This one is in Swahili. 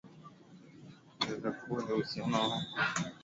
Tatizo kubwa ni uhamisho wa wachezaji vijana wenye uwezo kuhamia nje ya Afrika